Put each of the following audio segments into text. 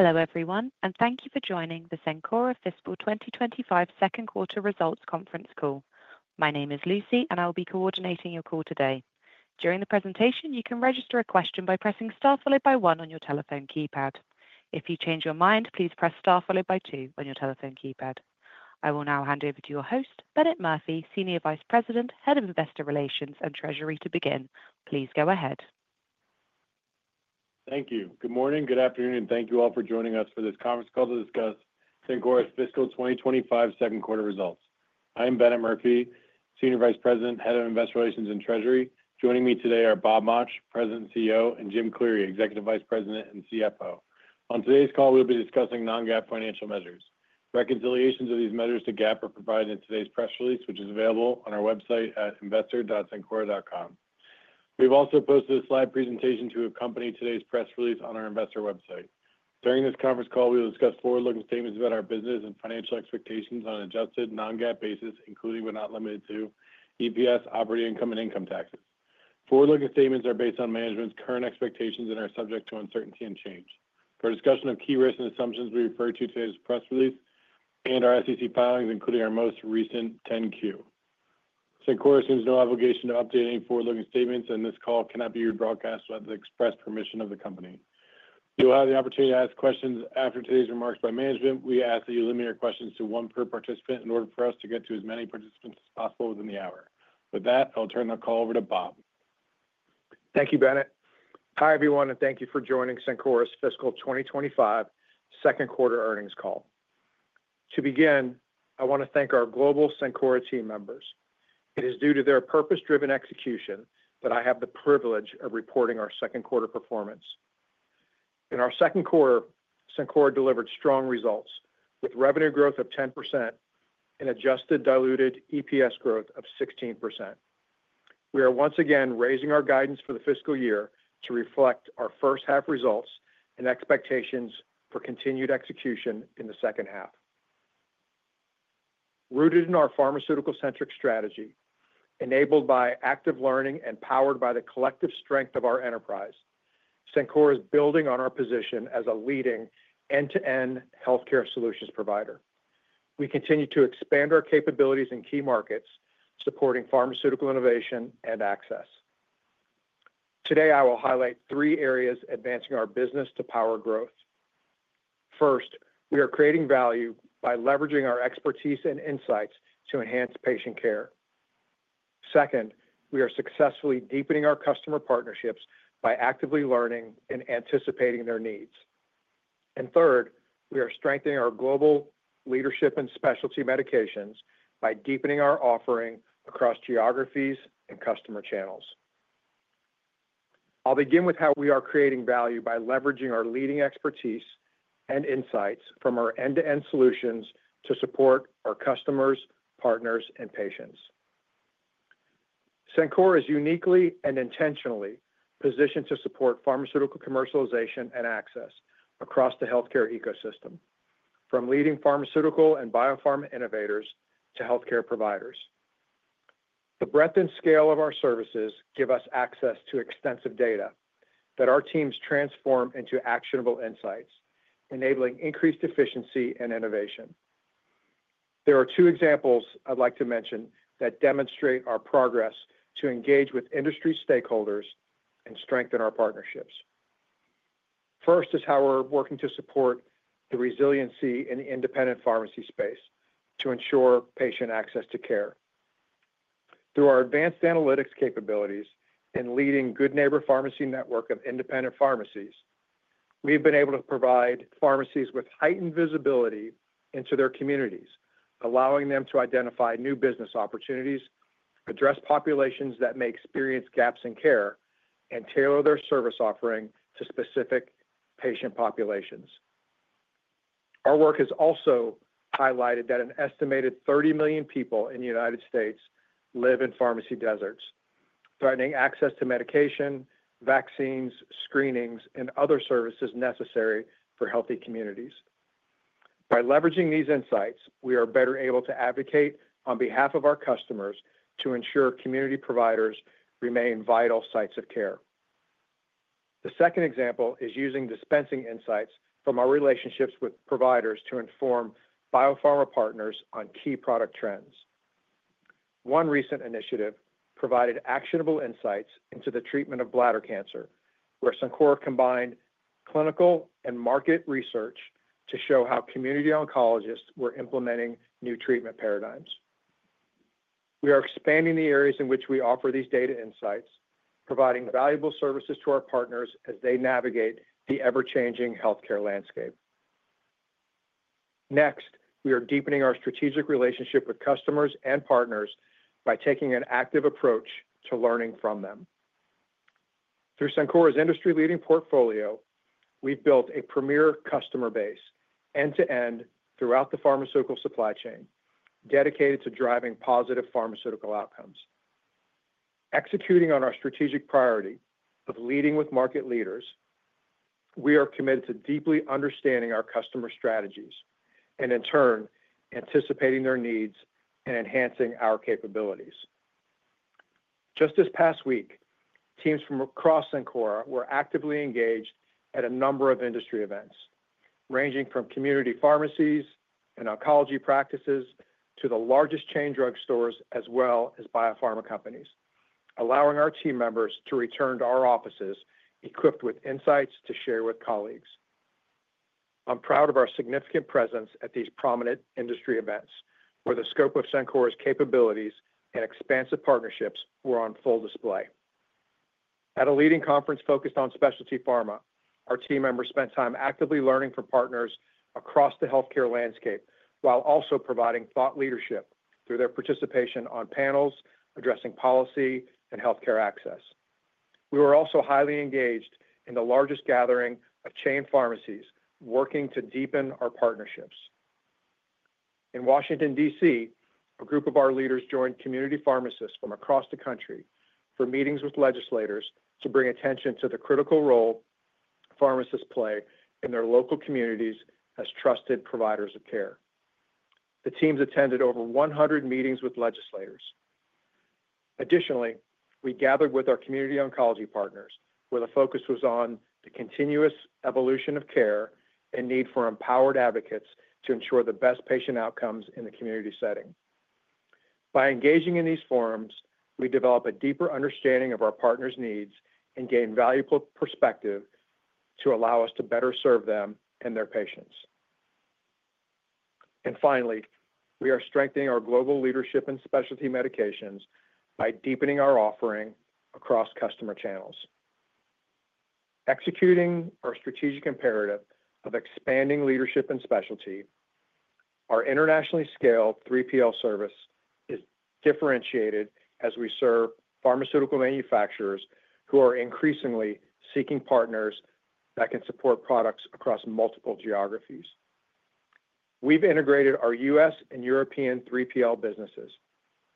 Hello, everyone, and thank you for joining the Cencora fiscal 2025 second quarter results conference call. My name is Lucy, and I'll be coordinating your call today. During the presentation, you can register a question by pressing star followed by one on your telephone keypad. If you change your mind, please press star followed by two on your telephone keypad. I will now hand over to your host, Bennett Murphy, Senior Vice President, Head of Investor Relations and Treasury, to begin. Please go ahead. Thank you. Good morning, good afternoon, and thank you all for joining us for this conference call to discuss Cencora Fiscal 2025 second quarter results. I am Bennett Murphy, Senior Vice President, Head of Investor Relations and Treasury. Joining me today are Bob Mauch, President and CEO, and Jim Cleary, Executive Vice President and CFO. On today's call, we'll be discussing non-GAAP financial measures. Reconciliations of these measures to GAAP are provided in today's press release, which is available on our website at investor.cencora.com. We've also posted a slide presentation to accompany today's press release on our investor website. During this conference call, we'll discuss forward-looking statements about our business and financial expectations on an adjusted non-GAAP basis, including, but not limited to, EPS, operating income, and income taxes. Forward-looking statements are based on management's current expectations and are subject to uncertainty and change. For discussion of key risks and assumptions, we refer to today's press release and our SEC filings, including our most recent 10-Q. Cencora assumes no obligation to update any forward-looking statements, and this call cannot be rebroadcast without the express permission of the company. You will have the opportunity to ask questions after today's remarks by management. We ask that you limit your questions to one per participant in order for us to get to as many participants as possible within the hour. With that, I'll turn the call over to Bob. Thank you, Bennett. Hi, everyone, and thank you for joining Cencora's fiscal 2025 second quarter earnings call. To begin, I want to thank our global Cencora team members. It is due to their purpose-driven execution that I have the privilege of reporting our second quarter performance. In our second quarter, Cencora delivered strong results with revenue growth of 10% and adjusted diluted EPS growth of 16%. We are once again raising our guidance for the fiscal year to reflect our first half results and expectations for continued execution in the second half. Rooted in our pharmaceutical-centric strategy, enabled by active learning and powered by the collective strength of our enterprise, Cencora is building on our position as a leading end-to-end healthcare solutions provider. We continue to expand our capabilities in key markets, supporting pharmaceutical innovation and access. Today, I will highlight three areas advancing our business to power growth. First, we are creating value by leveraging our expertise and insights to enhance patient care. Second, we are successfully deepening our customer partnerships by actively learning and anticipating their needs. Third, we are strengthening our global leadership in specialty medications by deepening our offering across geographies and customer channels. I will begin with how we are creating value by leveraging our leading expertise and insights from our end-to-end solutions to support our customers, partners, and patients. Cencora is uniquely and intentionally positioned to support pharmaceutical commercialization and access across the healthcare ecosystem, from leading pharmaceutical and biopharma innovators to healthcare providers. The breadth and scale of our services give us access to extensive data that our teams transform into actionable insights, enabling increased efficiency and innovation. There are two examples I would like to mention that demonstrate our progress to engage with industry stakeholders and strengthen our partnerships. First is how we're working to support the resiliency in the independent pharmacy space to ensure patient access to care. Through our advanced analytics capabilities and leading Good Neighbor Pharmacy network of independent pharmacies, we've been able to provide pharmacies with heightened visibility into their communities, allowing them to identify new business opportunities, address populations that may experience gaps in care, and tailor their service offering to specific patient populations. Our work has also highlighted that an estimated 30 million people in the United States live in pharmacy deserts, threatening access to medication, vaccines, screenings, and other services necessary for healthy communities. By leveraging these insights, we are better able to advocate on behalf of our customers to ensure community providers remain vital sites of care. The second example is using dispensing insights from our relationships with providers to inform biopharma partners on key product trends. One recent initiative provided actionable insights into the treatment of bladder cancer, where Cencora combined clinical and market research to show how community oncologists were implementing new treatment paradigms. We are expanding the areas in which we offer these data insights, providing valuable services to our partners as they navigate the ever-changing healthcare landscape. Next, we are deepening our strategic relationship with customers and partners by taking an active approach to learning from them. Through Cencora's industry-leading portfolio, we've built a premier customer base end-to-end throughout the pharmaceutical supply chain dedicated to driving positive pharmaceutical outcomes. Executing on our strategic priority of leading with market leaders, we are committed to deeply understanding our customer strategies and, in turn, anticipating their needs and enhancing our capabilities. Just this past week, teams from across Cencora were actively engaged at a number of industry events, ranging from community pharmacies and oncology practices to the largest chain drug stores as well as biopharma companies, allowing our team members to return to our offices equipped with insights to share with colleagues. I'm proud of our significant presence at these prominent industry events, where the scope of Cencora's capabilities and expansive partnerships were on full display. At a leading conference focused on specialty pharma, our team members spent time actively learning from partners across the healthcare landscape while also providing thought leadership through their participation on panels addressing policy and healthcare access. We were also highly engaged in the largest gathering of chain pharmacies working to deepen our partnerships. In Washington, D.C., a group of our leaders joined community pharmacists from across the country for meetings with legislators to bring attention to the critical role pharmacists play in their local communities as trusted providers of care. The teams attended over 100 meetings with legislators. Additionally, we gathered with our community oncology partners, where the focus was on the continuous evolution of care and need for empowered advocates to ensure the best patient outcomes in the community setting. By engaging in these forums, we develop a deeper understanding of our partners' needs and gain valuable perspective to allow us to better serve them and their patients. Finally, we are strengthening our global leadership in specialty medications by deepening our offering across customer channels. Executing our strategic imperative of expanding leadership in specialty, our internationally scaled 3PL service is differentiated as we serve pharmaceutical manufacturers who are increasingly seeking partners that can support products across multiple geographies. We've integrated our U.S. and European 3PL businesses,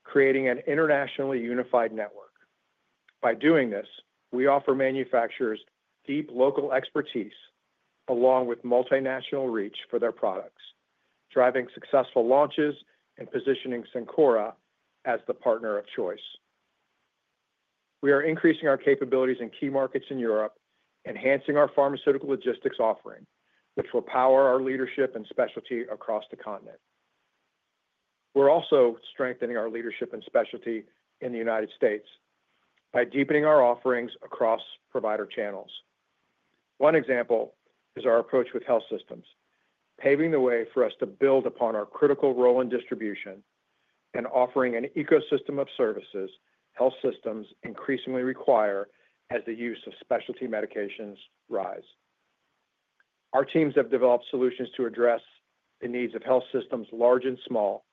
creating an internationally unified network. By doing this, we offer manufacturers deep local expertise along with multinational reach for their products, driving successful launches and positioning Cencora as the partner of choice. We are increasing our capabilities in key markets in Europe, enhancing our pharmaceutical logistics offering, which will power our leadership in specialty across the continent. We're also strengthening our leadership in specialty in the United States by deepening our offerings across provider channels. One example is our approach with health systems, paving the way for us to build upon our critical role in distribution and offering an ecosystem of services health systems increasingly require as the use of specialty medications rise. Our teams have developed solutions to address the needs of health systems large and small.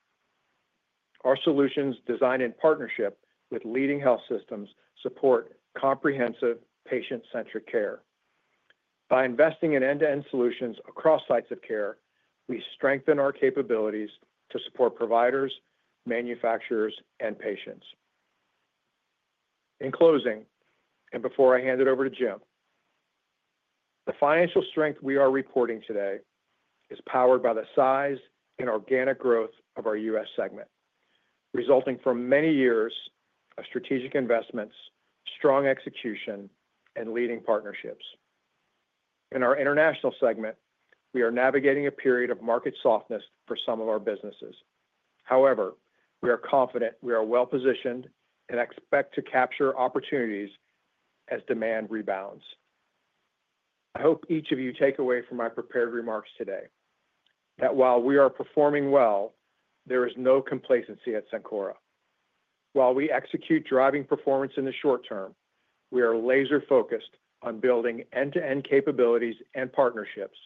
Our solutions, designed in partnership with leading health systems, support comprehensive patient-centric care. By investing in end-to-end solutions across sites of care, we strengthen our capabilities to support providers, manufacturers, and patients. In closing, and before I hand it over to Jim, the financial strength we are reporting today is powered by the size and organic growth of our U.S. segment, resulting from many years of strategic investments, strong execution, and leading partnerships. In our international segment, we are navigating a period of market softness for some of our businesses. However, we are confident we are well-positioned and expect to capture opportunities as demand rebounds. I hope each of you take away from my prepared remarks today that while we are performing well, there is no complacency at Cencora. While we execute driving performance in the short term, we are laser-focused on building end-to-end capabilities and partnerships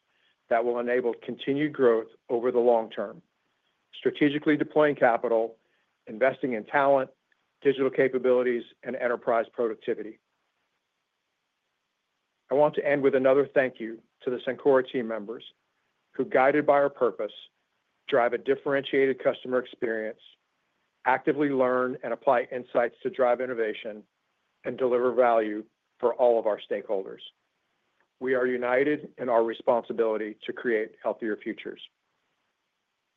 that will enable continued growth over the long term, strategically deploying capital, investing in talent, digital capabilities, and enterprise productivity. I want to end with another thank you to the Cencora team members who, guided by our purpose, drive a differentiated customer experience, actively learn and apply insights to drive innovation, and deliver value for all of our stakeholders. We are united in our responsibility to create healthier futures.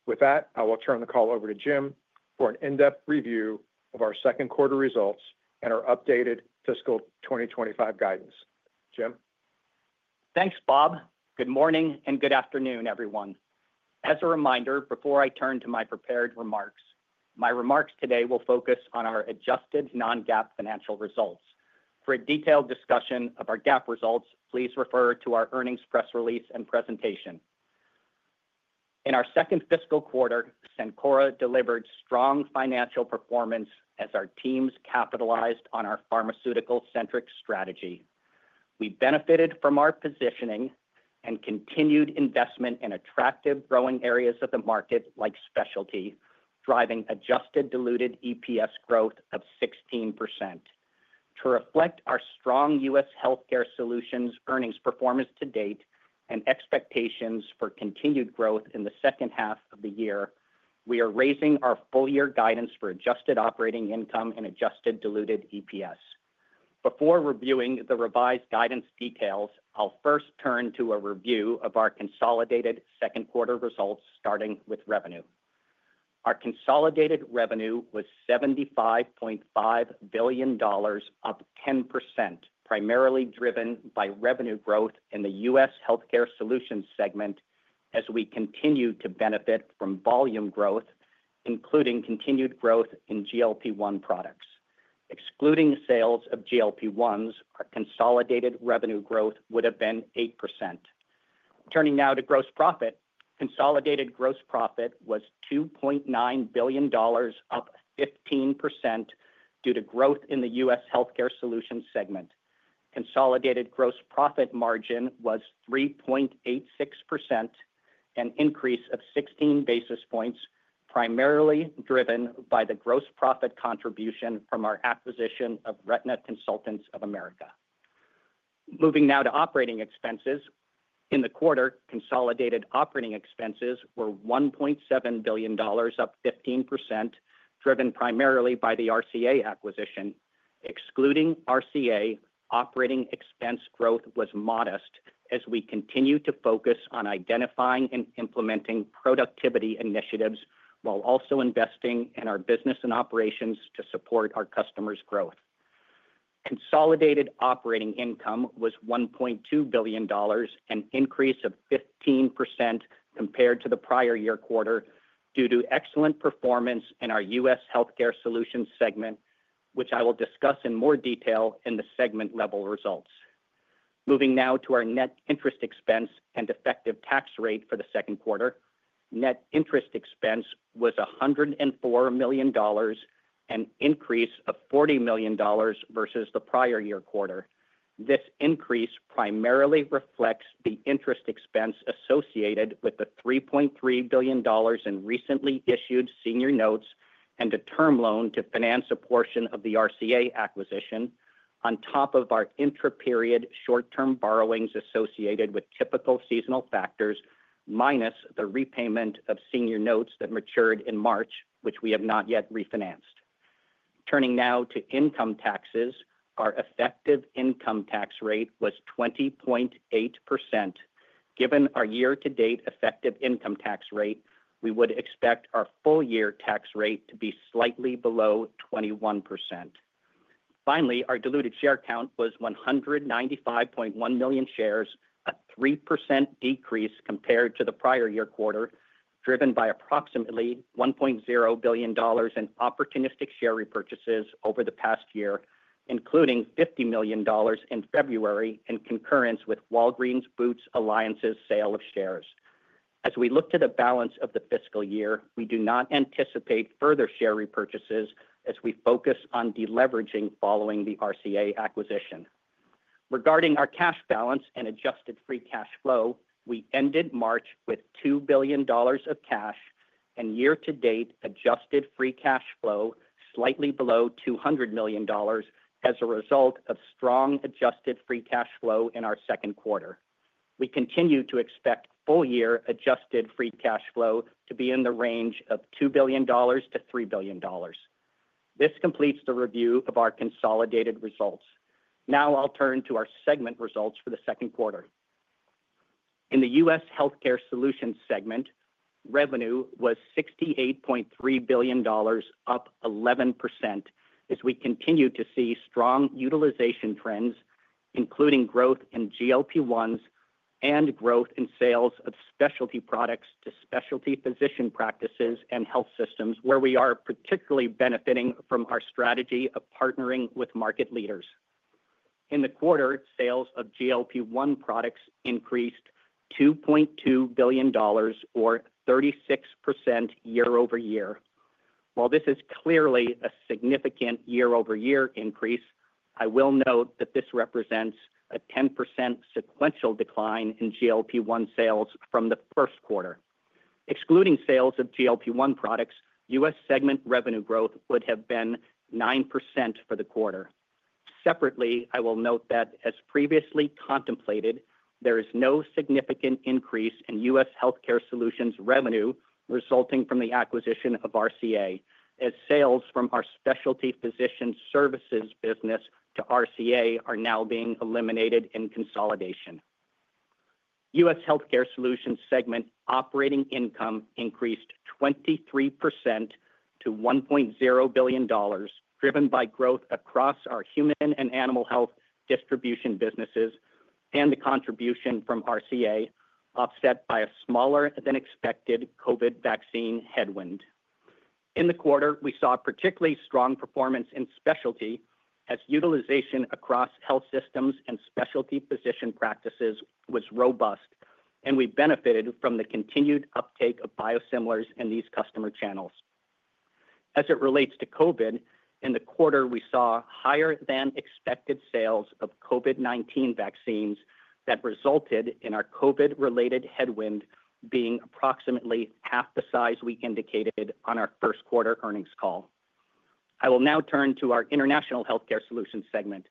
With that, I will turn the call over to Jim for an in-depth review of our second quarter results and our updated fiscal 2025 guidance. Jim? Thanks, Bob. Good morning and good afternoon, everyone. As a reminder, before I turn to my prepared remarks, my remarks today will focus on our adjusted non-GAAP financial results. For a detailed discussion of our GAAP results, please refer to our earnings press release and presentation. In our second fiscal quarter, Cencora delivered strong financial performance as our teams capitalized on our pharmaceutical-centric strategy. We benefited from our positioning and continued investment in attractive growing areas of the market like specialty, driving adjusted diluted EPS growth of 16%. To reflect our strong U.S. Healthcare Solutions earnings performance to date and expectations for continued growth in the second half of the year, we are raising our full-year guidance for adjusted operating income and adjusted diluted EPS. Before reviewing the revised guidance details, I'll first turn to a review of our consolidated second quarter results, starting with revenue. Our consolidated revenue was $75.5 billion, up 10%, primarily driven by revenue growth in the U.S. Healthcare Solutions segment as we continue to benefit from volume growth, including continued growth in GLP-1 products. Excluding sales of GLP-1s, our consolidated revenue growth would have been 8%. Turning now to gross profit, consolidated gross profit was $2.9 billion, up 15%, due to growth in the U.S. Healthcare Solutions segment. Consolidated gross profit margin was 3.86%, an increase of 16 basis points, primarily driven by the gross profit contribution from our acquisition of Retina Consultants of America. Moving now to operating expenses. In the quarter, consolidated operating expenses were $1.7 billion, up 15%, driven primarily by the RCA acquisition. Excluding RCA, operating expense growth was modest as we continue to focus on identifying and implementing productivity initiatives while also investing in our business and operations to support our customers' growth. Consolidated operating income was $1.2 billion, an increase of 15% compared to the prior year quarter, due to excellent performance in our U.S. Healthcare Solutions segment, which I will discuss in more detail in the segment-level results. Moving now to our net interest expense and effective tax rate for the second quarter. Net interest expense was $104 million, an increase of $40 million versus the prior year quarter. This increase primarily reflects the interest expense associated with the $3.3 billion in recently issued senior notes and a term loan to finance a portion of the RCA acquisition, on top of our inter-period short-term borrowings associated with typical seasonal factors, minus the repayment of senior notes that matured in March, which we have not yet refinanced. Turning now to income taxes, our effective income tax rate was 20.8%. Given our year-to-date effective income tax rate, we would expect our full-year tax rate to be slightly below 21%. Finally, our diluted share count was 195.1 million shares, a 3% decrease compared to the prior year quarter, driven by approximately $1.0 billion in opportunistic share repurchases over the past year, including $50 million in February in concurrence with Walgreens Boots Alliance's sale of shares. As we look to the balance of the fiscal year, we do not anticipate further share repurchases as we focus on deleveraging following the RCA acquisition. Regarding our cash balance and adjusted free cash flow, we ended March with $2 billion of cash and year-to-date adjusted free cash flow slightly below $200 million as a result of strong adjusted free cash flow in our second quarter. We continue to expect full-year adjusted free cash flow to be in the range of $2 billion-$3 billion. This completes the review of our consolidated results. Now I'll turn to our segment results for the second quarter. In the U.S. Healthcare Solutions segment, revenue was $68.3 billion, up 11%, as we continue to see strong utilization trends, including growth in GLP-1s and growth in sales of specialty products to specialty physician practices and health systems, where we are particularly benefiting from our strategy of partnering with market leaders. In the quarter, sales of GLP-1 products increased $2.2 billion, or 36% year-over-year. While this is clearly a significant year-over-year increase, I will note that this represents a 10% sequential decline in GLP-1 sales from the first quarter. Excluding sales of GLP-1 products, U.S. segment revenue growth would have been 9% for the quarter. Separately, I will note that, as previously contemplated, there is no significant increase in U.S. Healthcare solutions revenue resulting from the acquisition of RCA, as sales from our specialty physician services business to RCA are now being eliminated in consolidation. U.S. Healthcare Solutions segment operating income increased 23% to $1.0 billion, driven by growth across our human and animal health distribution businesses and the contribution from RCA, offset by a smaller-than-expected COVID vaccine headwind. In the quarter, we saw particularly strong performance in specialty, as utilization across health systems and specialty physician practices was robust, and we benefited from the continued uptake of biosimilars in these customer channels. As it relates to COVID, in the quarter, we saw higher-than-expected sales of COVID-19 vaccines that resulted in our COVID-related headwind being approximately half the size we indicated on our first quarter earnings call. I will now turn to our international healthcare solutions segment.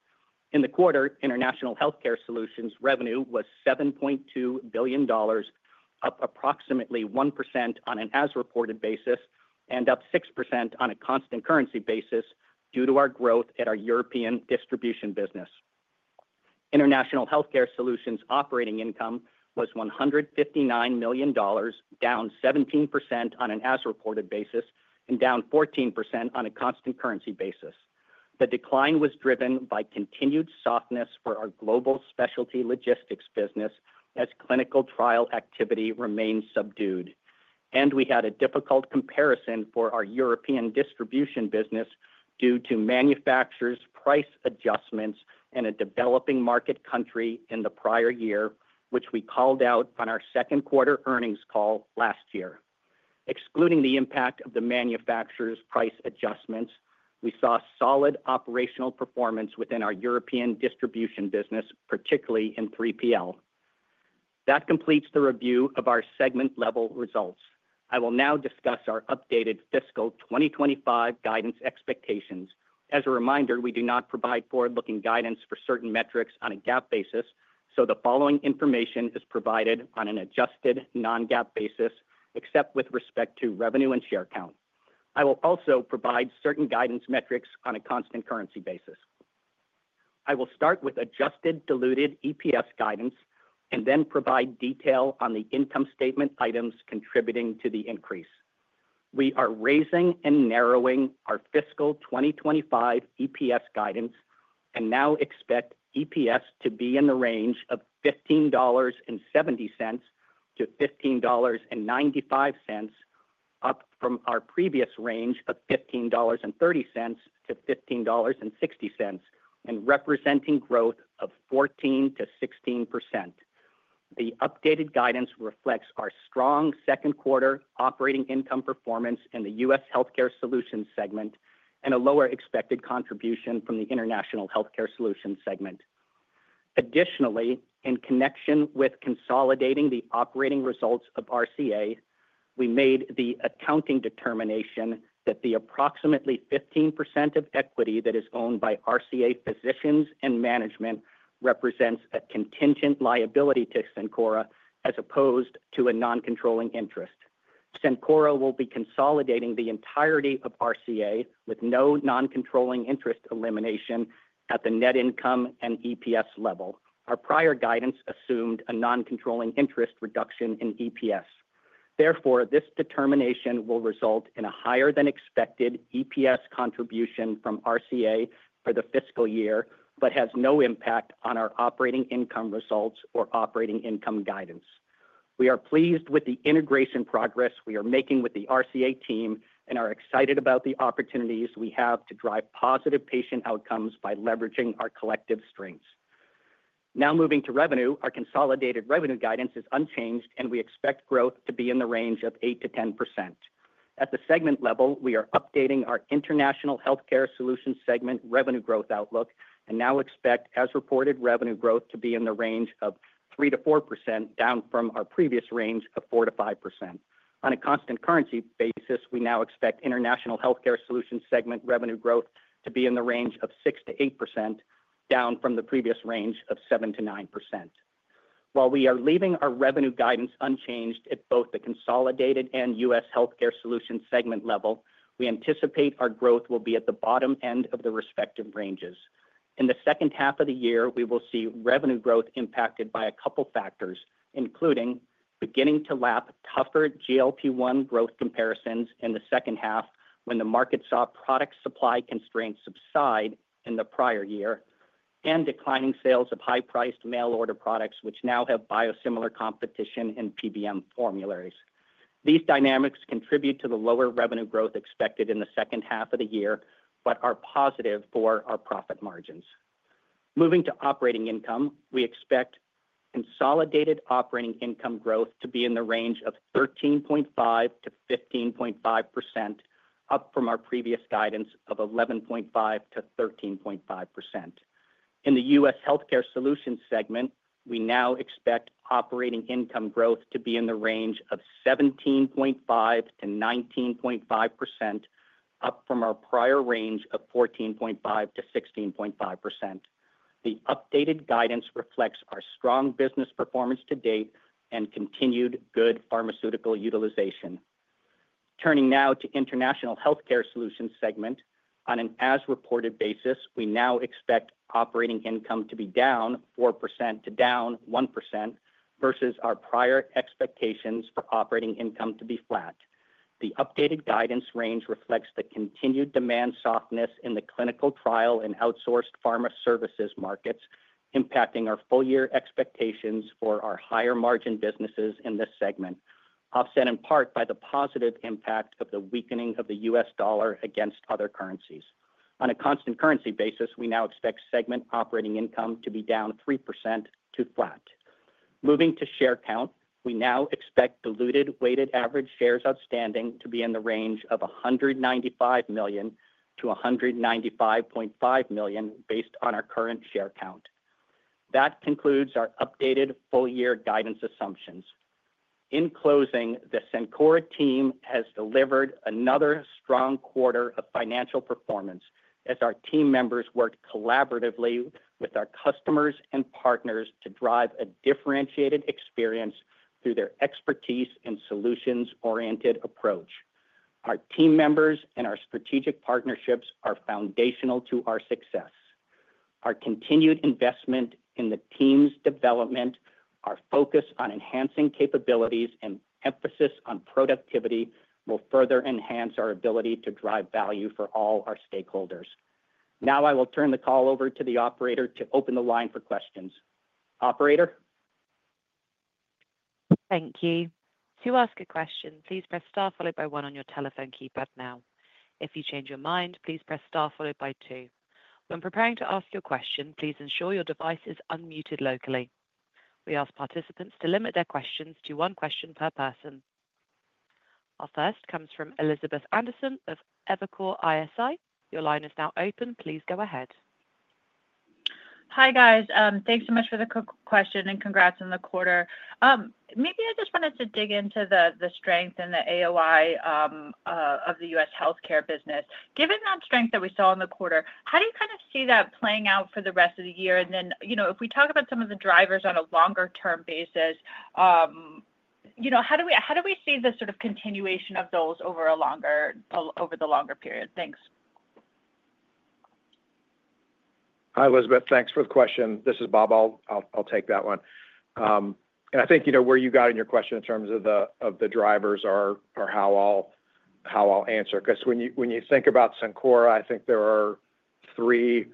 In the quarter, international healthcare solutions revenue was $7.2 billion, up approximately 1% on an as-reported basis and up 6% on a constant currency basis due to our growth at our European distribution business. International healthcare solutions operating income was $159 million, down 17% on an as-reported basis and down 14% on a constant currency basis. The decline was driven by continued softness for our global specialty logistics business as clinical trial activity remained subdued, and we had a difficult comparison for our European distribution business due to manufacturers' price adjustments in a developing market country in the prior year, which we called out on our second quarter earnings call last year. Excluding the impact of the manufacturers' price adjustments, we saw solid operational performance within our European distribution business, particularly in 3PL. That completes the review of our segment-level results. I will now discuss our updated fiscal 2025 guidance expectations. As a reminder, we do not provide forward-looking guidance for certain metrics on a GAAP basis, so the following information is provided on an adjusted non-GAAP basis, except with respect to revenue and share count. I will also provide certain guidance metrics on a constant currency basis. I will start with adjusted diluted EPS guidance and then provide detail on the income statement items contributing to the increase. We are raising and narrowing our fiscal 2025 EPS guidance and now expect EPS to be in the range of $15.70-$15.95, up from our previous range of $15.30-$15.60, and representing growth of 14%-16%. The updated guidance reflects our strong second quarter operating income performance in the U.S. Healthcare Solutions segment and a lower expected contribution from the international healthcare solutions segment. Additionally, in connection with consolidating the operating results of RCA, we made the accounting determination that the approximately 15% of equity that is owned by RCA physicians and management represents a contingent liability to Cencora as opposed to a non-controlling interest. Cencora will be consolidating the entirety of RCA with no non-controlling interest elimination at the net income and EPS level. Our prior guidance assumed a non-controlling interest reduction in EPS. Therefore, this determination will result in a higher-than-expected EPS contribution from RCA for the fiscal year, but has no impact on our operating income results or operating income guidance. We are pleased with the integration progress we are making with the RCA team and are excited about the opportunities we have to drive positive patient outcomes by leveraging our collective strengths. Now moving to revenue, our consolidated revenue guidance is unchanged, and we expect growth to be in the range of 8%-10%. At the segment level, we are updating our international healthcare solutions segment revenue growth outlook and now expect as-reported revenue growth to be in the range of 3%-4%, down from our previous range of 4%-5%. On a constant currency basis, we now expect international healthcare solutions segment revenue growth to be in the range of 6%-8%, down from the previous range of 7%-9%. While we are leaving our revenue guidance unchanged at both the consolidated and U.S. Healthcare Solutions segment level, we anticipate our growth will be at the bottom end of the respective ranges. In the second half of the year, we will see revenue growth impacted by a couple of factors, including beginning to lap tougher GLP-1 growth comparisons in the second half when the market saw product supply constraints subside in the prior year and declining sales of high-priced mail-order products, which now have biosimilar competition in PBM formulas. These dynamics contribute to the lower revenue growth expected in the second half of the year, but are positive for our profit margins. Moving to operating income, we expect consolidated operating income growth to be in the range of 13.5%-15.5%, up from our previous guidance of 11.5%-13.5%. In the U.S. Healthcare Solutions segment, we now expect operating income growth to be in the range of 17.5%-19.5%, up from our prior range of 14.5%-16.5%. The updated guidance reflects our strong business performance to date and continued good pharmaceutical utilization. Turning now to International Healthcare Solutions segment, on an as-reported basis, we now expect operating income to be down 4% to down 1% versus our prior expectations for operating income to be flat. The updated guidance range reflects the continued demand softness in the clinical trial and outsourced pharma services markets, impacting our full-year expectations for our higher-margin businesses in this segment, offset in part by the positive impact of the weakening of the U.S. dollar against other currencies. On a constant currency basis, we now expect segment operating income to be down 3% to flat. Moving to share count, we now expect diluted weighted average shares outstanding to be in the range of $195 million-$195.5 million based on our current share count. That concludes our updated full-year guidance assumptions. In closing, the Cencora team has delivered another strong quarter of financial performance as our team members worked collaboratively with our customers and partners to drive a differentiated experience through their expertise and solutions-oriented approach. Our team members and our strategic partnerships are foundational to our success. Our continued investment in the team's development, our focus on enhancing capabilities, and emphasis on productivity will further enhance our ability to drive value for all our stakeholders. Now I will turn the call over to the operator to open the line for questions. Operator? Thank you. To ask a question, please press star followed by one on your telephone keypad now. If you change your mind, please press star followed by two. When preparing to ask your question, please ensure your device is unmuted locally. We ask participants to limit their questions to one question per person. Our first comes from Elizabeth Anderson of Evercore ISI. Your line is now open. Please go ahead. Hi, guys. Thanks so much for the quick question and congrats on the quarter. Maybe I just wanted to dig into the strength and the AOI of the U.S. healthcare business. Given that strength that we saw in the quarter, how do you kind of see that playing out for the rest of the year? If we talk about some of the drivers on a longer-term basis, how do we see the sort of continuation of those over the longer period? Thanks. Hi, Elizabeth. Thanks for the question. This is Bob. I'll take that one. I think where you got in your question in terms of the drivers are how I'll answer. Because when you think about Cencora, I think there are three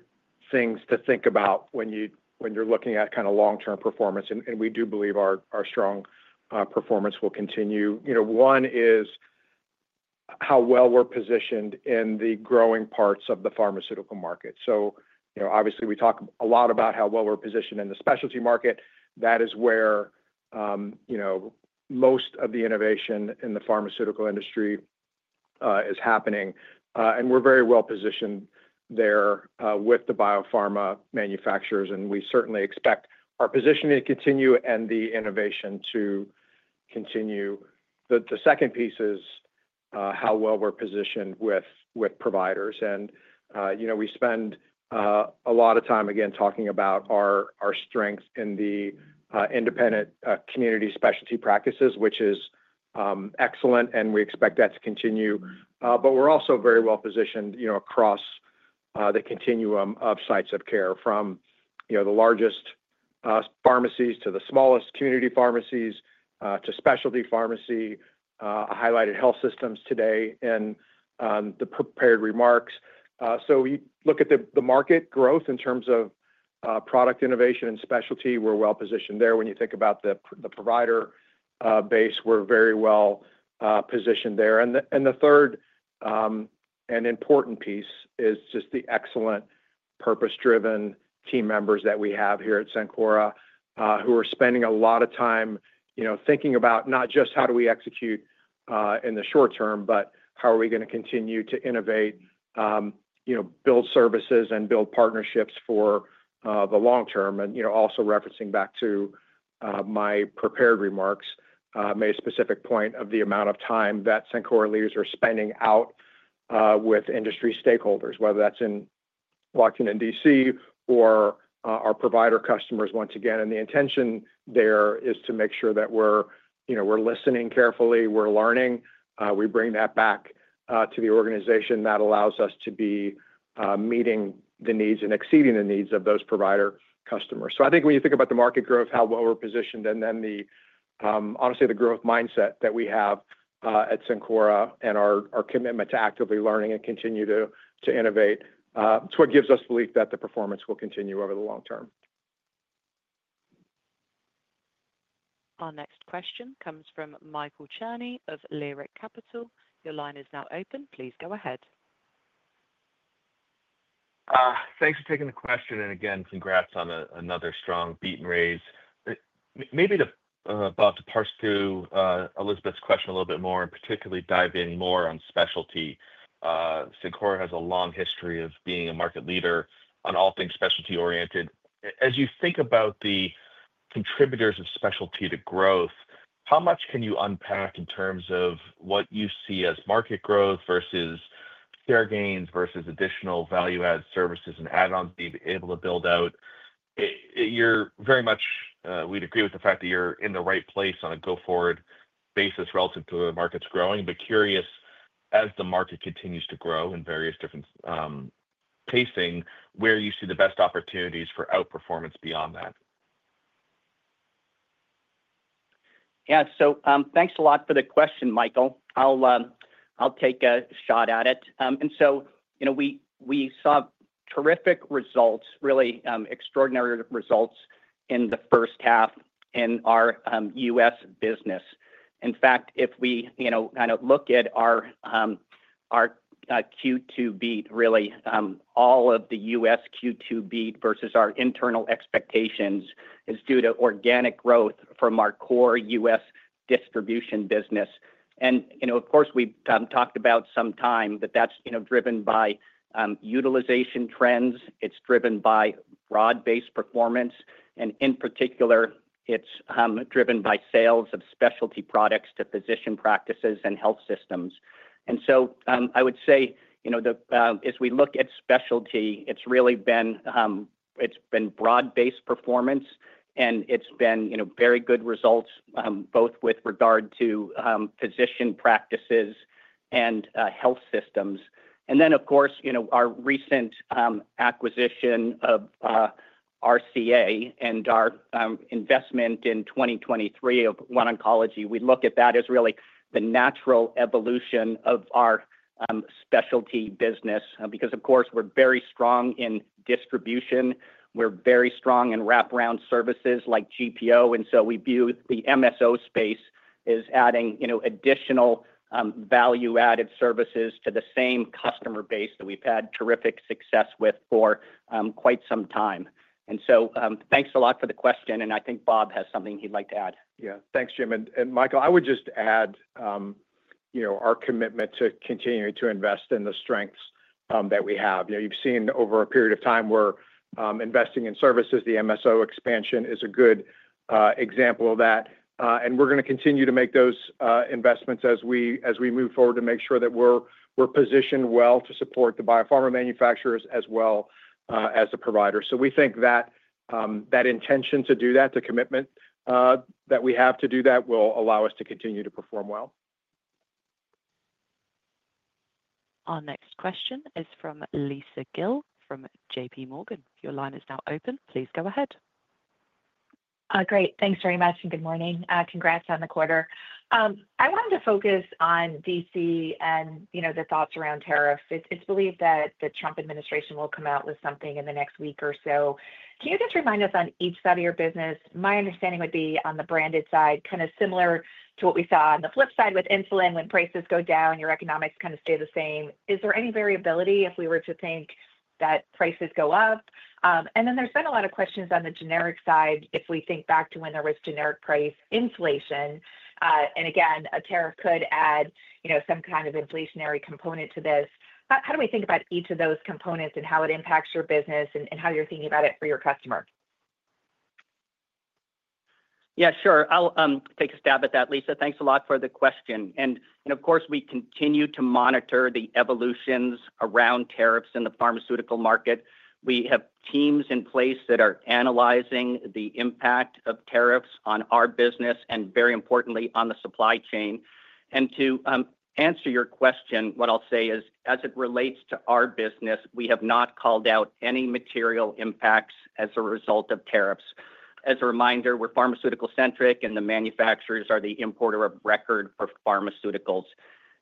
things to think about when you're looking at kind of long-term performance. We do believe our strong performance will continue. One is how well we're positioned in the growing parts of the pharmaceutical market. Obviously, we talk a lot about how well we're positioned in the specialty market. That is where most of the innovation in the pharmaceutical industry is happening. We're very well positioned there with the biopharma manufacturers. We certainly expect our positioning to continue and the innovation to continue. The second piece is how well we're positioned with providers. We spend a lot of time, again, talking about our strength in the independent community specialty practices, which is excellent, and we expect that to continue. We are also very well positioned across the continuum of sites of care, from the largest pharmacies to the smallest community pharmacies to specialty pharmacy, highlighted health systems today in the prepared remarks. We look at the market growth in terms of product innovation and specialty. We are well positioned there. When you think about the provider base, we are very well positioned there. The third and important piece is just the excellent purpose-driven team members that we have here at Cencora, who are spending a lot of time thinking about not just how do we execute in the short term, but how are we going to continue to innovate, build services, and build partnerships for the long term. Also referencing back to my prepared remarks, I made a specific point of the amount of time that Cencora leaders are spending out with industry stakeholders, whether that is in Washington, D.C., or our provider customers, once again. The intention there is to make sure that we are listening carefully, we are learning, we bring that back to the organization. That allows us to be meeting the needs and exceeding the needs of those provider customers. I think when you think about the market growth, how well we are positioned, and then honestly the growth mindset that we have at Cencora and our commitment to actively learning and continuing to innovate, it is what gives us belief that the performance will continue over the long term. Our next question comes from Michael Cherny of Leerink Partners. Your line is now open. Please go ahead. Thanks for taking the question. Again, congrats on another strong beat and raise. Maybe about to parse through Elizabeth's question a little bit more and particularly dive in more on specialty. Cencora has a long history of being a market leader on all things specialty-oriented. As you think about the contributors of specialty to growth, how much can you unpack in terms of what you see as market growth versus share gains versus additional value-added services and add-ons that you've been able to build out? You're very much—we'd agree with the fact that you're in the right place on a go-forward basis relative to the market's growing, but curious, as the market continues to grow in various different pacing, where you see the best opportunities for outperformance beyond that? Yeah. Thanks a lot for the question, Michael. I'll take a shot at it. We saw terrific results, really extraordinary results in the first half in our U.S. business. In fact, if we kind of look at our Q2 beat, really, all of the U.S. Q2 beat versus our internal expectations is due to organic growth from our core U.S. distribution business. Of course, we've talked about for some time that that's driven by utilization trends. It's driven by broad-based performance. In particular, it's driven by sales of specialty products to physician practices and health systems. I would say as we look at specialty, it's really been broad-based performance, and it's been very good results both with regard to physician practices and health systems. Our recent acquisition of RCA and our investment in 2023 of OneOncology, we look at that as really the natural evolution of our specialty business. Because, of course, we're very strong in distribution. We're very strong in wrap-around services like GPO. We view the MSO space as adding additional value-added services to the same customer base that we've had terrific success with for quite some time. Thanks a lot for the question. I think Bob has something he'd like to add. Yeah. Thanks, Jim. Michael, I would just add our commitment to continuing to invest in the strengths that we have. You've seen over a period of time we're investing in services. The MSO expansion is a good example of that. We're going to continue to make those investments as we move forward to make sure that we're positioned well to support the biopharma manufacturers as well as the providers. We think that intention to do that, the commitment that we have to do that will allow us to continue to perform well. Our next question is from Lisa Gill from JPMorgan. Your line is now open. Please go ahead. Great. Thanks very much. And good morning. Congrats on the quarter. I wanted to focus on D.C. and the thoughts around tariffs. It's believed that the Trump administration will come out with something in the next week or so. Can you just remind us on each side of your business? My understanding would be on the branded side, kind of similar to what we saw on the flip side with insulin. When prices go down, your economics kind of stay the same. Is there any variability if we were to think that prices go up? And then there's been a lot of questions on the generic side. If we think back to when there was generic price inflation, and again, a tariff could add some kind of inflationary component to this, how do we think about each of those components and how it impacts your business and how you're thinking about it for your customer? Yeah, sure. I'll take a stab at that, Lisa. Thanks a lot for the question. Of course, we continue to monitor the evolutions around tariffs in the pharmaceutical market. We have teams in place that are analyzing the impact of tariffs on our business and, very importantly, on the supply chain. To answer your question, what I'll say is, as it relates to our business, we have not called out any material impacts as a result of tariffs. As a reminder, we're pharmaceutical-centric, and the manufacturers are the importer of record for pharmaceuticals.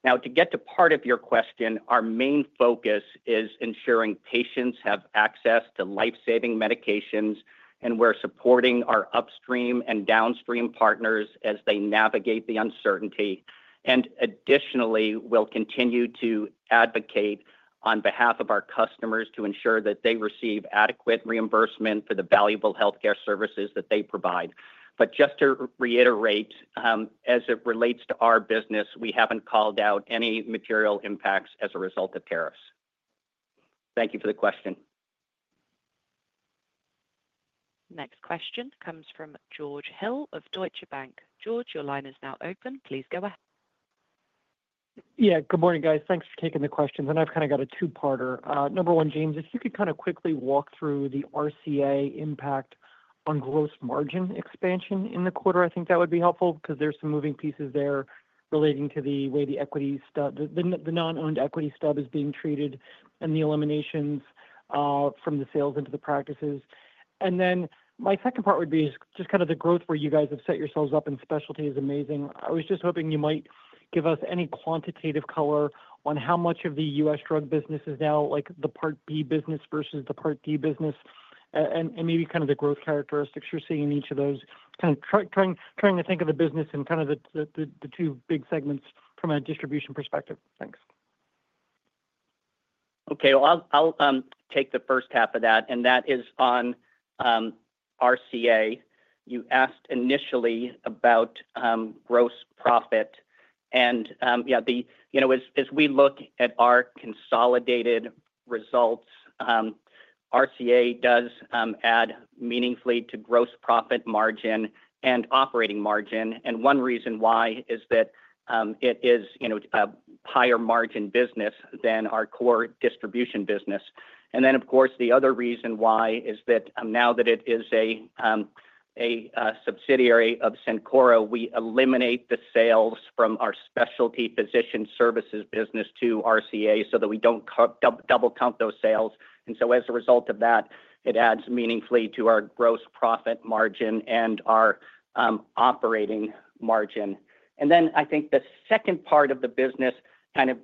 Now, to get to part of your question, our main focus is ensuring patients have access to lifesaving medications, and we're supporting our upstream and downstream partners as they navigate the uncertainty. Additionally, we'll continue to advocate on behalf of our customers to ensure that they receive adequate reimbursement for the valuable healthcare services that they provide. Just to reiterate, as it relates to our business, we haven't called out any material impacts as a result of tariffs. Thank you for the question. Next question comes from George Hill of Deutsche Bank. George, your line is now open. Please go ahead. Yeah. Good morning, guys. Thanks for taking the questions. I've kind of got a two-parter. Number one, James, if you could kind of quickly walk through the RCA impact on gross margin expansion in the quarter, I think that would be helpful because there's some moving pieces there relating to the way the non-owned equity stub is being treated and the eliminations from the sales into the practices. My second part would be just kind of the growth where you guys have set yourselves up in specialty is amazing. I was just hoping you might give us any quantitative color on how much of the U.S. drug business is now like the part B business versus the part D business, and maybe kind of the growth characteristics you're seeing in each of those, kind of trying to think of the business in the two big segments from a distribution perspective. Thanks. Okay. I'll take the first half of that. That is on RCA. You asked initially about gross profit. Yeah, as we look at our consolidated results, RCA does add meaningfully to gross profit margin and operating margin. One reason why is that it is a higher margin business than our core distribution business. Of course, the other reason why is that now that it is a subsidiary of Cencora, we eliminate the sales from our specialty physician services business to RCA so that we do not double-count those sales. As a result of that, it adds meaningfully to our gross profit margin and our operating margin. I think the second part of the business kind of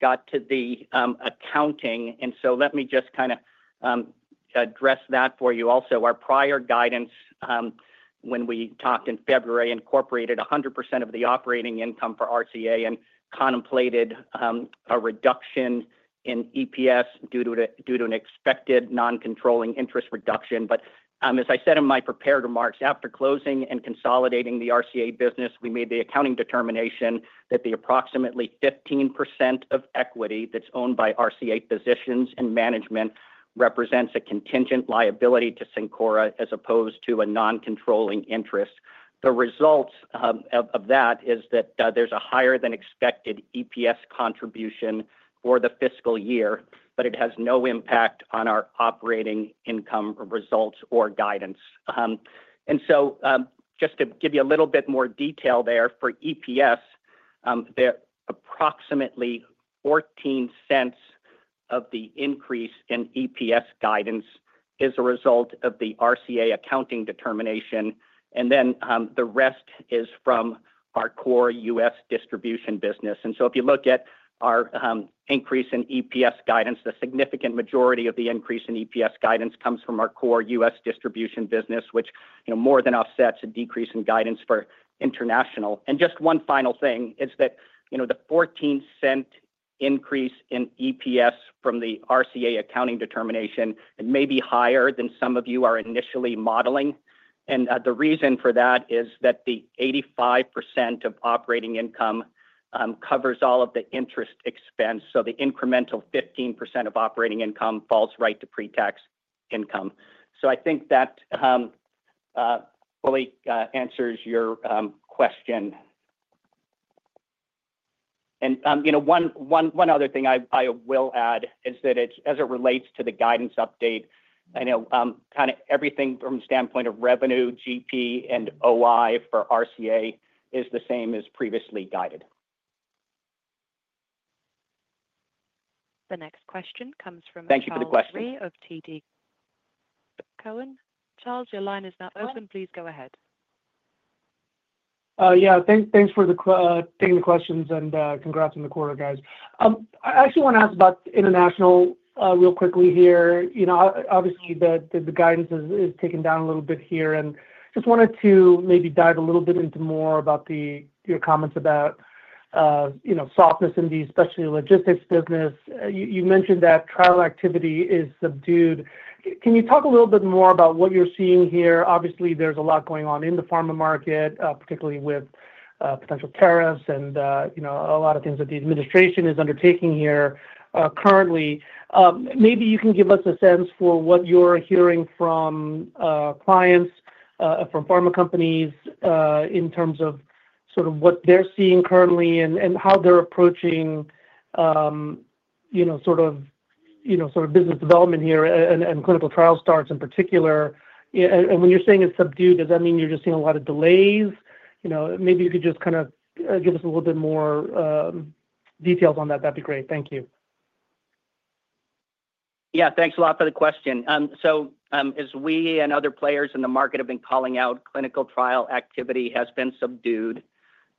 got to the accounting. Let me just kind of address that for you also. Our prior guidance, when we talked in February, incorporated 100% of the operating income for RCA and contemplated a reduction in EPS due to an expected non-controlling interest reduction. As I said in my prepared remarks, after closing and consolidating the RCA business, we made the accounting determination that the approximately 15% of equity that's owned by RCA physicians and management represents a contingent liability to Cencora as opposed to a non-controlling interest. The result of that is that there's a higher-than-expected EPS contribution for the fiscal year, but it has no impact on our operating income results or guidance. Just to give you a little bit more detail there for EPS, approximately $0.14 of the increase in EPS guidance is a result of the RCA accounting determination. The rest is from our core U.S. distribution business. If you look at our increase in EPS guidance, the significant majority of the increase in EPS guidance comes from our core U.S. distribution business, which more than offsets a decrease in guidance for international. Just one final thing is that the $0.14 increase in EPS from the RCA accounting determination may be higher than some of you are initially modeling. The reason for that is that the 85% of operating income covers all of the interest expense. The incremental 15% of operating income falls right to pre-tax income. I think that fully answers your question. One other thing I will add is that as it relates to the guidance update, kind of everything from the standpoint of revenue, GP, and OI for RCA is the same as previously guided. The next question comes from Charles Rhyee of TD Cowen. Charles, your line is now open. Please go ahead. Yeah. Thanks for taking the questions and congrats on the quarter, guys. I actually want to ask about international real quickly here. Obviously, the guidance is taken down a little bit here. Just wanted to maybe dive a little bit into more about your comments about softness in the specialty logistics business. You mentioned that trial activity is subdued. Can you talk a little bit more about what you're seeing here? Obviously, there's a lot going on in the pharma market, particularly with potential tariffs and a lot of things that the administration is undertaking here currently. Maybe you can give us a sense for what you're hearing from clients, from pharma companies in terms of sort of what they're seeing currently and how they're approaching sort of business development here and clinical trial starts in particular. When you're saying it's subdued, does that mean you're just seeing a lot of delays? Maybe you could just kind of give us a little bit more details on that. That'd be great. Thank you. Yeah. Thanks a lot for the question. As we and other players in the market have been calling out, clinical trial activity has been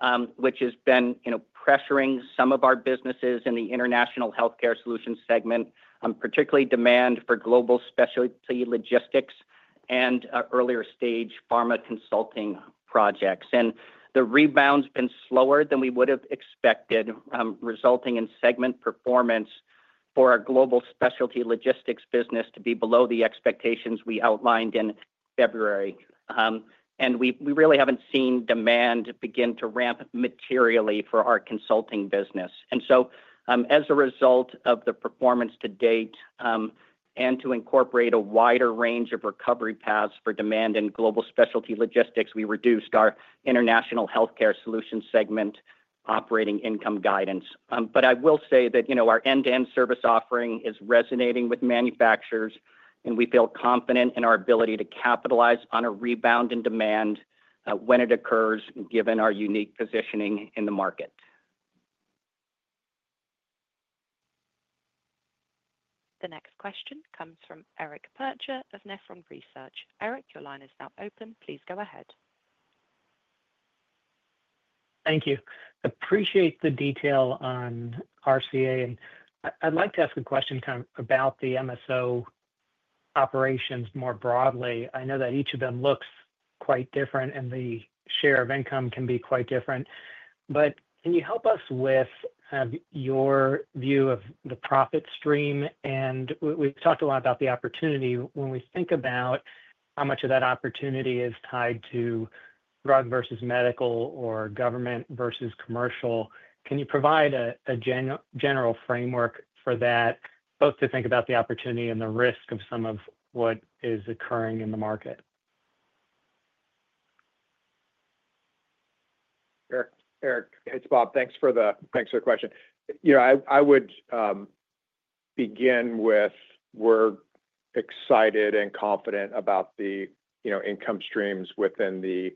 subdued, which has been pressuring some of our businesses in the international healthcare solutions segment, particularly demand for global specialty logistics and earlier-stage pharma consulting projects. The rebound's been slower than we would have expected, resulting in segment performance for our global specialty logistics business to be below the expectations we outlined in February. We really haven't seen demand begin to ramp materially for our consulting business. As a result of the performance to date and to incorporate a wider range of recovery paths for demand in global specialty logistics, we reduced our international healthcare solution segment operating income guidance. I will say that our end-to-end service offering is resonating with manufacturers, and we feel confident in our ability to capitalize on a rebound in demand when it occurs, given our unique positioning in the market. The next question comes from Eric Percher of Nephron Research. Eric, your line is now open. Please go ahead. Thank you. Appreciate the detail on RCA. I'd like to ask a question kind of about the MSO operations more broadly. I know that each of them looks quite different, and the share of income can be quite different. Can you help us with kind of your view of the profit stream? We have talked a lot about the opportunity. When we think about how much of that opportunity is tied to drug versus medical or government versus commercial, can you provide a general framework for that, both to think about the opportunity and the risk of some of what is occurring in the market? Eric, it's Bob. Thanks for the question. I would begin with we are excited and confident about the income streams within the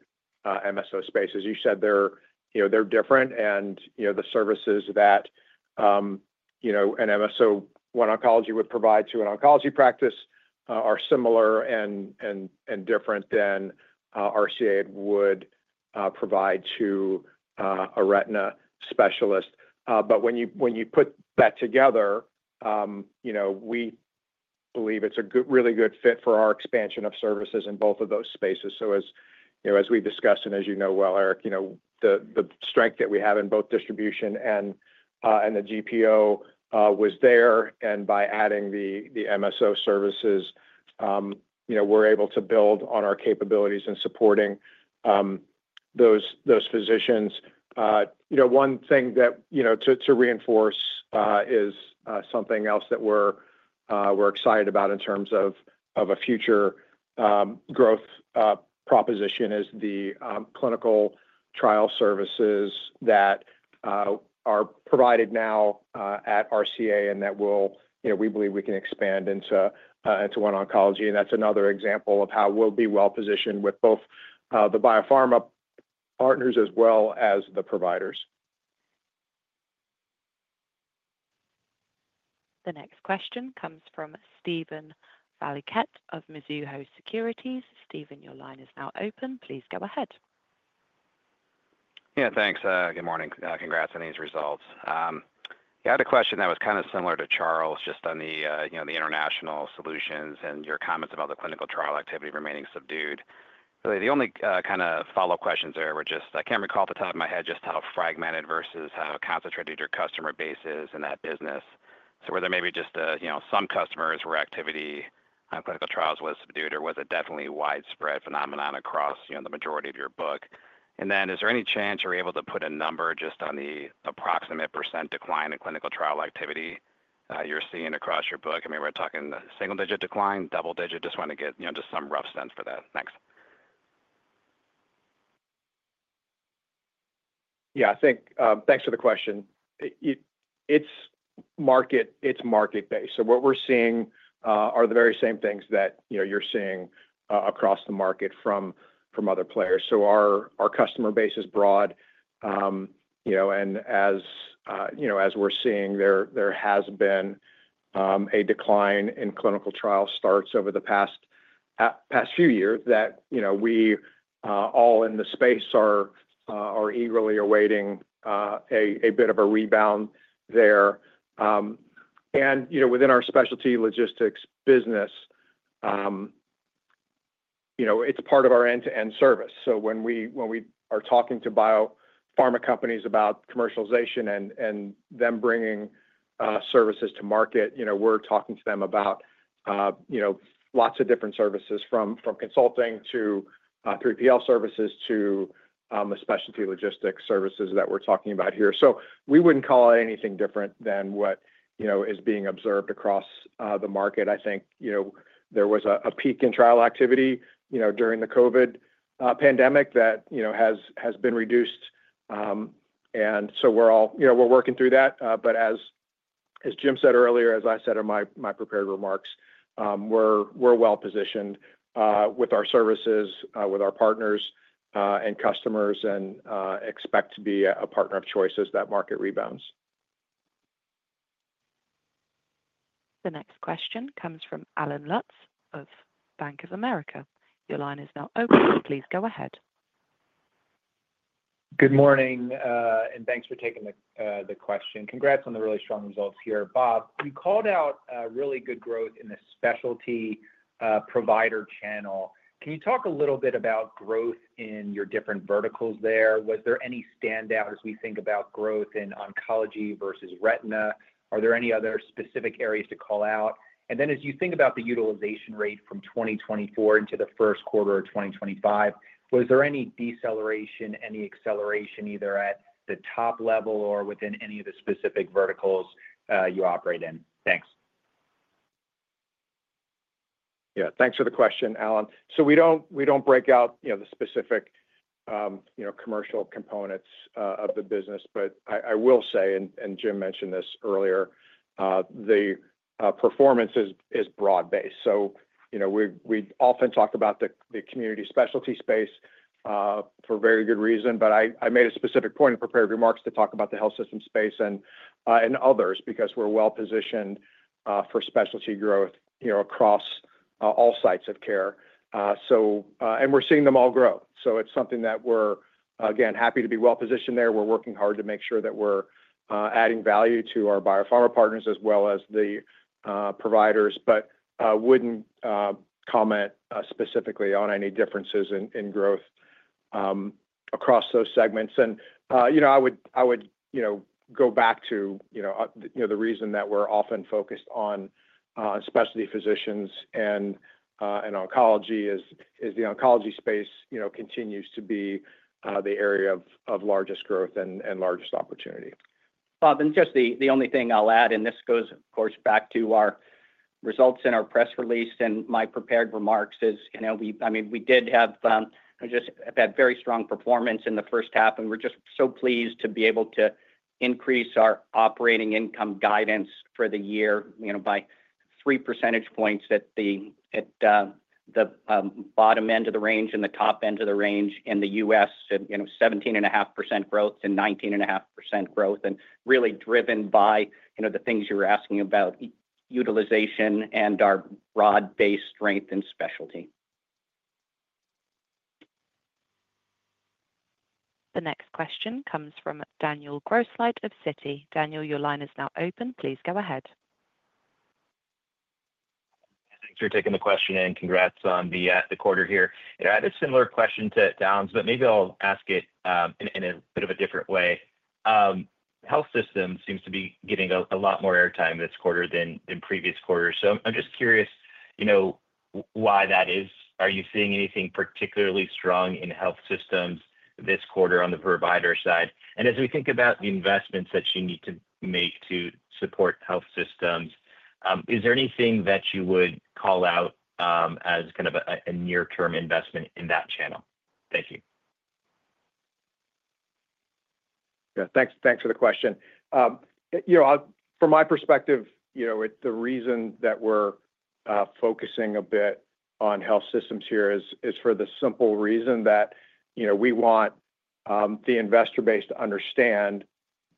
MSO space. As you said, they are different. The services that an MSO, OneOncology, would provide to an oncology practice are similar and different than RCA would provide to a retina specialist. When you put that together, we believe it is a really good fit for our expansion of services in both of those spaces. As we've discussed and as you know well, Eric, the strength that we have in both distribution and the GPO was there. By adding the MSO services, we're able to build on our capabilities in supporting those physicians. One thing to reinforce is something else that we're excited about in terms of a future growth proposition is the clinical trial services that are provided now at RCA and that we believe we can expand into OneOncology. That's another example of how we'll be well-positioned with both the biopharma partners as well as the providers. The next question comes from Steven Valiquette of Mizuho Securities. Steven, your line is now open. Please go ahead. Yeah. Thanks. Good morning. Congrats on these results. Yeah. I had a question that was kind of similar to Charles, just on the international solutions and your comments about the clinical trial activity remaining subdued. Really, the only kind of follow-up questions there were just I can't recall off the top of my head just how fragmented versus how concentrated your customer base is in that business. So were there maybe just some customers where activity on clinical trials was subdued, or was it definitely widespread phenomenon across the majority of your book? And then is there any chance you're able to put a number just on the approximate % decline in clinical trial activity you're seeing across your book? I mean, we're talking single-digit decline, double-digit. Just want to get just some rough sense for that. Thanks. Yeah. Thanks for the question. It's market-based. What we are seeing are the very same things that you are seeing across the market from other players. Our customer base is broad. As we are seeing, there has been a decline in clinical trial starts over the past few years that we all in the space are eagerly awaiting a bit of a rebound there. Within our specialty logistics business, it is part of our end-to-end service. When we are talking to biopharma companies about commercialization and them bringing services to market, we are talking to them about lots of different services from consulting to 3PL services to the specialty logistics services that we are talking about here. We would not call it anything different than what is being observed across the market. I think there was a peak in trial activity during the COVID pandemic that has been reduced. We are all working through that. As Jim said earlier, as I said in my prepared remarks, we're well-positioned with our services, with our partners and customers, and expect to be a partner of choice as that market rebounds. The next question comes from Allen Lutz of Bank of America. Your line is now open. Please go ahead. Good morning. Thanks for taking the question. Congrats on the really strong results here. Bob, you called out really good growth in the specialty provider channel. Can you talk a little bit about growth in your different verticals there? Was there any standout as we think about growth in oncology versus retina? Are there any other specific areas to call out? As you think about the utilization rate from 2024 into the first quarter of 2025, was there any deceleration, any acceleration, either at the top level or within any of the specific verticals you operate in? Thanks. Yeah. Thanks for the question, Alan. We do not break out the specific commercial components of the business. I will say, and Jim mentioned this earlier, the performance is broad-based. We often talk about the community specialty space for very good reason. I made a specific point in prepared remarks to talk about the health system space and others because we are well-positioned for specialty growth across all sites of care. We are seeing them all grow. It is something that we are, again, happy to be well-positioned there. We're working hard to make sure that we're adding value to our biopharma partners as well as the providers, but wouldn't comment specifically on any differences in growth across those segments. I would go back to the reason that we're often focused on specialty physicians and oncology is the oncology space continues to be the area of largest growth and largest opportunity. Bob, just the only thing I'll add, and this goes, of course, back to our results in our press release and my prepared remarks is, I mean, we did have just had very strong performance in the first half. We're just so pleased to be able to increase our operating income guidance for the year by three percentage points at the bottom end of the range and the top end of the range in the U.S., 17.5% growth and 19.5% growth. Really driven by the things you were asking about, utilization and our broad-based strength in specialty. The next question comes from Daniel Grosslight of Citi. Daniel, your line is now open. Please go ahead. Thanks for taking the question in. Congrats on the quarter here. I had a similar question to Alan's, but maybe I'll ask it in a bit of a different way. Health systems seems to be getting a lot more airtime this quarter than previous quarters. I am just curious why that is. Are you seeing anything particularly strong in health systems this quarter on the provider side? As we think about the investments that you need to make to support health systems, is there anything that you would call out as kind of a near-term investment in that channel? Thank you. Yeah. Thanks for the question. From my perspective, the reason that we're focusing a bit on health systems here is for the simple reason that we want the investor base to understand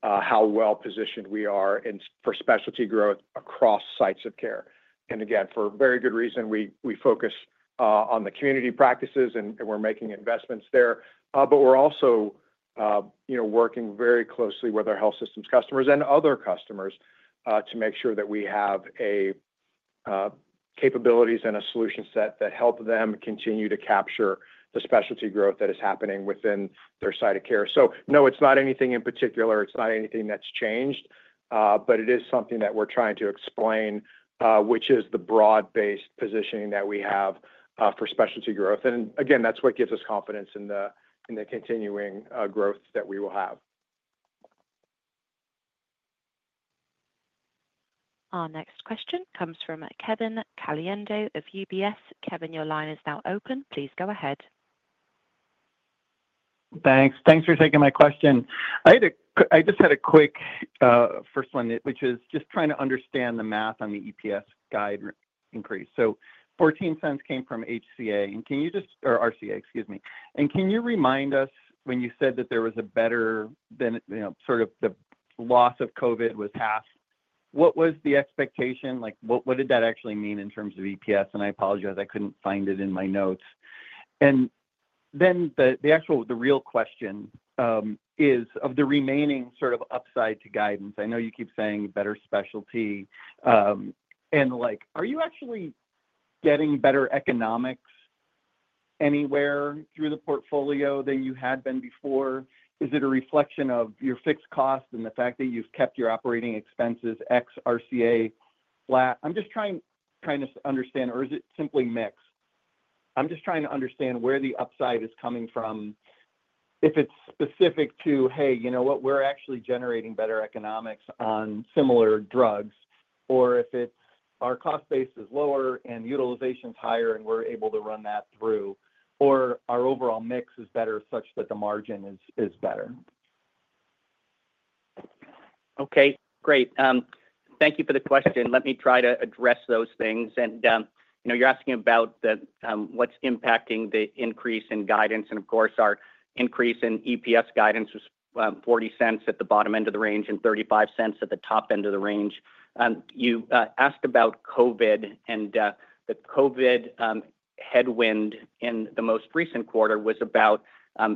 how well-positioned we are for specialty growth across sites of care. Again, for very good reason, we focus on the community practices, and we're making investments there. We are also working very closely with our health systems customers and other customers to make sure that we have capabilities and a solution set that help them continue to capture the specialty growth that is happening within their site of care. No, it's not anything in particular. It's not anything that's changed. It is something that we're trying to explain, which is the broad-based positioning that we have for specialty growth. Again, that's what gives us confidence in the continuing growth that we will have. Our next question comes from Kevin Caliendo of UBS. Kevin, your line is now open. Please go ahead. Thanks. Thanks for taking my question. I just had a quick first one, which is just trying to understand the math on the EPS guide increase. So $0.14 came from HCA, or RCA, excuse me. And can you remind us when you said that there was a better than sort of the loss of COVID was half, what was the expectation? What did that actually mean in terms of EPS? I apologize. I could not find it in my notes. The real question is of the remaining sort of upside to guidance. I know you keep saying better specialty. Are you actually getting better economics anywhere through the portfolio than you had been before? Is it a reflection of your fixed costs and the fact that you've kept your operating expenses X RCA flat? I'm just trying to understand, or is it simply mixed? I'm just trying to understand where the upside is coming from. If it's specific to, "Hey, you know what? We're actually generating better economics on similar drugs," or if it's, "Our cost base is lower and utilization's higher, and we're able to run that through," or, "Our overall mix is better such that the margin is better." Okay. Great. Thank you for the question. Let me try to address those things. You're asking about what's impacting the increase in guidance. Of course, our increase in EPS guidance was $0.40 at the bottom end of the range and $0.35 at the top end of the range. You asked about COVID, and the COVID headwind in the most recent quarter was about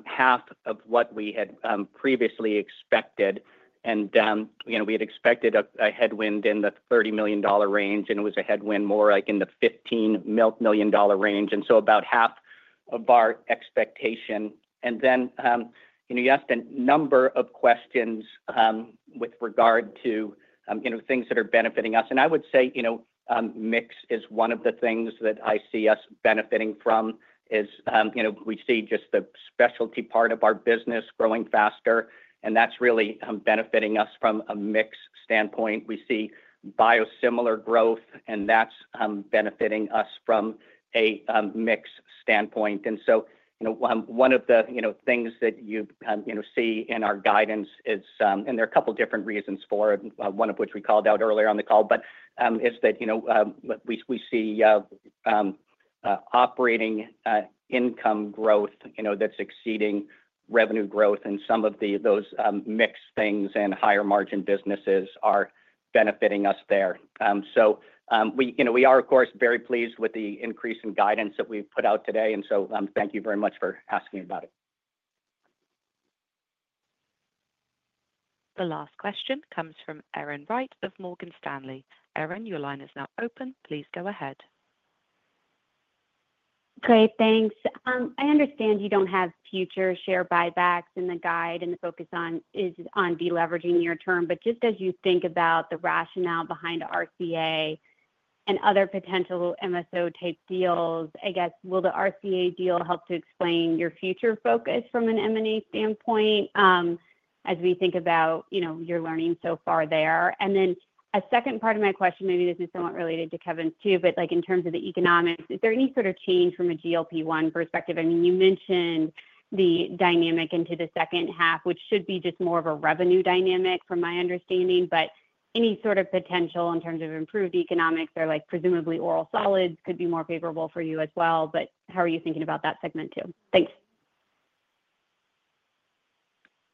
half of what we had previously expected. We had expected a headwind in the $30 million range, and it was a headwind more like in the $15 million range. About half of our expectation. You asked a number of questions with regard to things that are benefiting us. I would say mix is one of the things that I see us benefiting from as we see just the specialty part of our business growing faster. That is really benefiting us from a mix standpoint. We see biosimilar growth, and that is benefiting us from a mix standpoint. One of the things that you see in our guidance is, and there are a couple of different reasons for it, one of which we called out earlier on the call, but is that we see operating income growth that's exceeding revenue growth. Some of those mixed things and higher margin businesses are benefiting us there. We are, of course, very pleased with the increase in guidance that we've put out today. Thank you very much for asking about it. The last question comes from Erin Wright of Morgan Stanley. Erin, your line is now open. Please go ahead. Great. Thanks. I understand you don't have future share buybacks in the guide, and the focus is on deleveraging near-term. Just as you think about the rationale behind RCA and other potential MSO-type deals, I guess, will the RCA deal help to explain your future focus from an M&A standpoint as we think about your learning so far there? A second part of my question, maybe this is somewhat related to Kevin's too, but in terms of the economics, is there any sort of change from a GLP-1 perspective? I mean, you mentioned the dynamic into the second half, which should be just more of a revenue dynamic from my understanding. Any sort of potential in terms of improved economics or presumably oral solids could be more favorable for you as well. How are you thinking about that segment too? Thanks.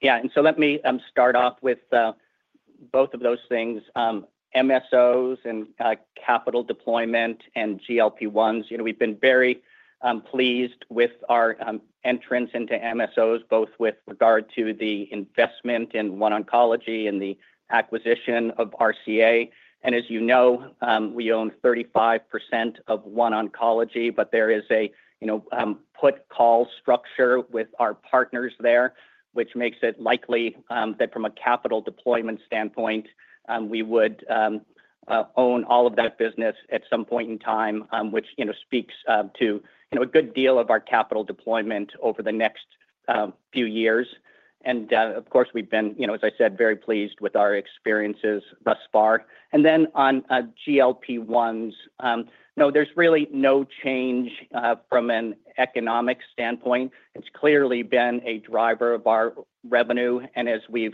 Yeah. Let me start off with both of those things, MSOs and capital deployment and GLP-1s. We've been very pleased with our entrance into MSOs, both with regard to the investment in OneOncology and the acquisition of RCA. As you know, we own 35% of OneOncology, but there is a put-call structure with our partners there, which makes it likely that from a capital deployment standpoint, we would own all of that business at some point in time, which speaks to a good deal of our capital deployment over the next few years. Of course, we've been, as I said, very pleased with our experiences thus far. On GLP-1s, no, there's really no change from an economic standpoint. It's clearly been a driver of our revenue. As we've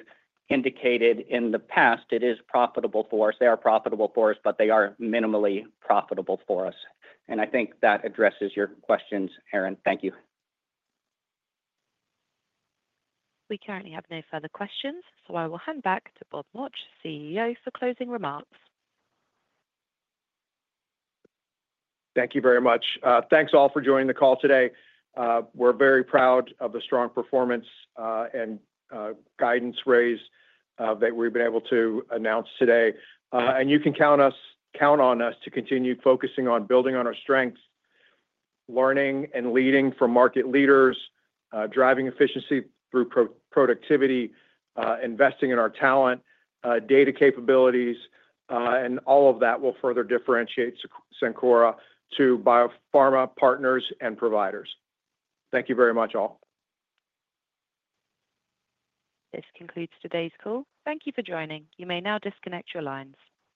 indicated in the past, it is profitable for us. They are profitable for us, but they are minimally profitable for us. I think that addresses your questions, Erin. Thank you. We currently have no further questions. I will hand back to Bob Mauch, CEO, for closing remarks. Thank you very much. Thanks all for joining the call today. We are very proud of the strong performance and guidance raise that we have been able to announce today. You can count on us to continue focusing on building on our strengths, learning and leading from market leaders, driving efficiency through productivity, investing in our talent, data capabilities, and all of that will further differentiate Cencora to biopharma partners and providers. Thank you very much, all. This concludes today's call. Thank you for joining. You may now disconnect your lines.